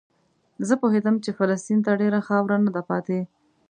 زه پوهېدم چې فلسطین ته ډېره خاوره نه ده پاتې.